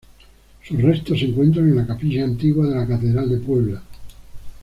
Sus restos se encuentran en la capilla antigua de la catedral de Puebla.